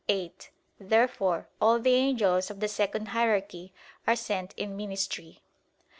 viii). Therefore all the angels of the second hierarchy are sent in ministry.